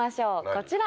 こちら！